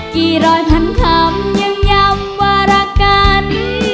กี่ร้อยพันคำยังย้ำว่ารักกัน